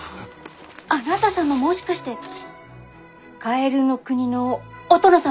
あなた様もしかしてカエルの国のお殿様？